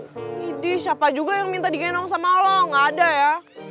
ini siapa juga yang minta digendong sama allah gak ada ya